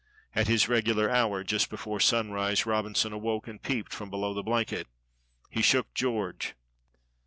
At his regular hour, just before sunrise, Robinson awoke and peeped from below the blanket. He shook George.